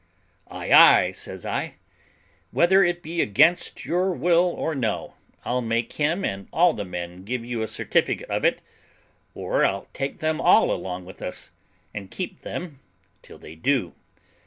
"Ay, ay," says I, "whether it be against your will or no, I'll make him and all the men give you a certificate of it, or I'll take them all along with us, and keep them till they do."